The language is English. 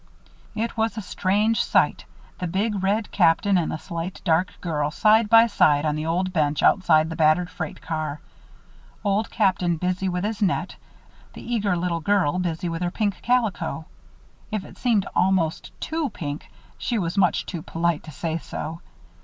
It was a strange sight the big red Captain and the slight dark girl, side by side on the old bench outside the battered freight car; Old Captain busy with his net, the eager little girl busy with her pink calico. If it seemed almost too pink, she was much too polite to say so.